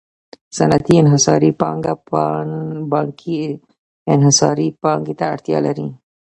صنعتي انحصاري پانګه بانکي انحصاري پانګې ته اړتیا لري